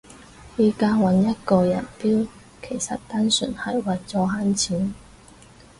而家搵一個人標其實單純係為咗慳錢